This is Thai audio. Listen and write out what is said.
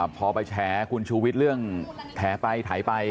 พอไปแชร์คุณชุวิตเรื่องแผลงไปไถไป